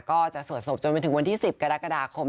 ก็จะสวดศพจนไปถึงวันที่๑๐กรกฎาคม